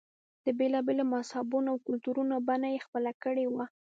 د بېلا بېلو مذهبونو او کلتورونو بڼه یې خپله کړې وه.